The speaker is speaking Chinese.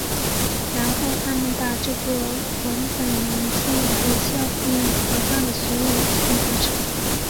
然后他们把这个文本文件和校验和发给所有参与者。